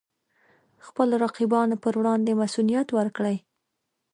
خپلو رقیبانو پر وړاندې مصئونیت ورکړي.